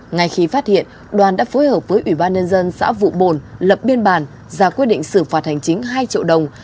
ngay khi phát hiện đoàn đã phối hợp với ủy ban nhân dân xã vụ bồn lập biên bản ra quyết định xử phạt hành chính hai triệu đồng